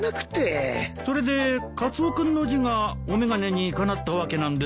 それでカツオ君の字がお眼鏡にかなったわけなんですね？